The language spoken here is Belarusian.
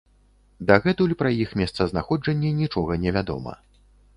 Дагэтуль пра іх месцазнаходжанне нічога не вядома.